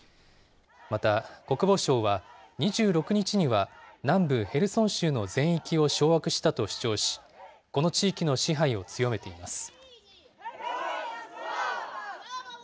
また、国防省は２６日には南部ヘルソン州の全域を掌握したと主張し、この地域の支配を強めています。